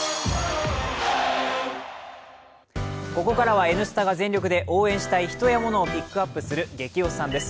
ここからは「Ｎスタ」が全力で応援したい人やものをピックアップする「ゲキ推しさん」です。